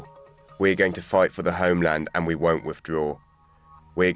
kita akan berjuang untuk kota rumah dan kita tidak akan menyerah